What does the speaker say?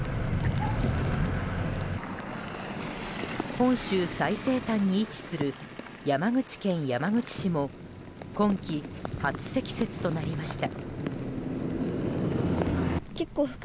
本州最西端に位置する山口県山口市も今季初積雪となりました。